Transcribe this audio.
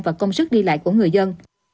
và công sức đi lại của người dân